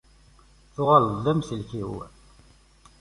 Tuɣaleḍ d amsellek-iw.